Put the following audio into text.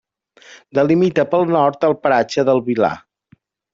Delimita pel nord el paratge del Vilar.